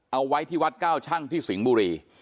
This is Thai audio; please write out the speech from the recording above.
เอาไว้ที่วัดเก้าชั่งที่สิงห์บุรี